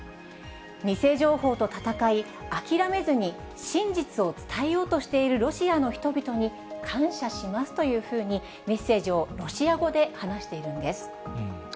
偽情報と戦い、諦めずに真実を伝えようとしているロシアの人々に感謝しますというふうに、メッセージをロシア語で話しているんです。